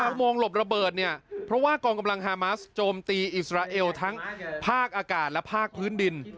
อุโมงหลบระเบิดเนี่ยเพราะว่ากองกำลังฮามัสโจมตีอิสราเอลทั้งภาคอากาศและภาคพื้นดิน